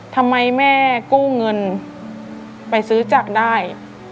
ทำไมแม่กู้เงินไปซื้อจักรได้